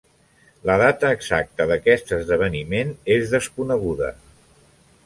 La data exacta d'aquest esdeveniment és desconeguda.